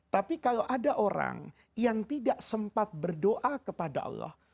tapi kalau ada orang yang tidak sempat berdoa kepada allah